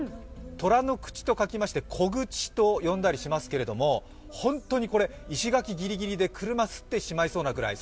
虎の口と書きましてこぐちと呼んだりしますけれども本当にこれ石垣ぎりぎりで車を擦ってしまいそうなぐらい。